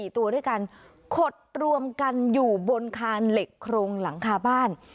ตัวด้วยกันขดรวมกันอยู่บนคานเหล็กโครงหลังคาบ้าน